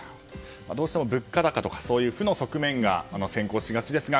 どうしても物価高とか負の側面が先行しがちですが